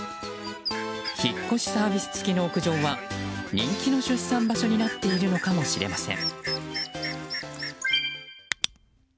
引っ越しサービス付きの屋上は人気の出産場所になっているのかもしれません。